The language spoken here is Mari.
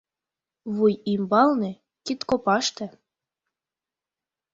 Вуй ӱмбалне, кидкопаште